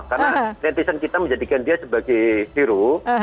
karena netizen kita menjadikan dia sebagai hero